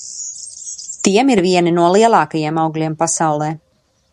Tiem ir vieni no lielākajiem augļiem pasaulē.